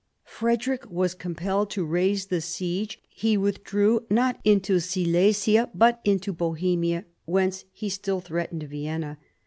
Frederick was compelled to raise the siege ; he withdrew, not into Silesia, but into Bohemia, whence he still threatened Vienna.